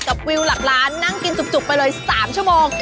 วิวหลักล้านนั่งกินจุกไปเลย๓ชั่วโมง